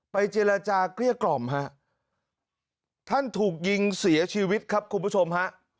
เจรจาเกลี้ยกล่อมฮะท่านถูกยิงเสียชีวิตครับคุณผู้ชมฮะ